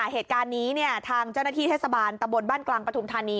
เหตุการณ์นี้ทางเจ้าหน้าที่เทศบาลตะบนบ้านกลางปฐุมธานี